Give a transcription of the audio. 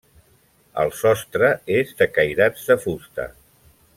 El sostre és de cairats de fusta.